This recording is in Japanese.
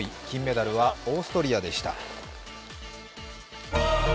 金メダルはオーストリアでした。